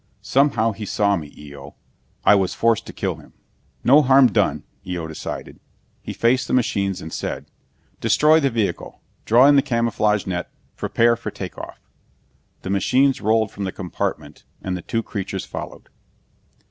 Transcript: Somehow, he saw me, Eo. I was forced to kill him." "No harm done," Eo decided. He faced the machines and said, "Destroy the vehicle, draw in the camouflage net, prepare for take off." The machines rolled from the compartment, and the two creatures followed.